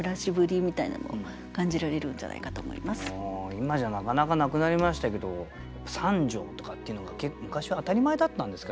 今じゃなかなかなくなりましたけど三畳とかっていうのが結構昔は当たり前だったんですか？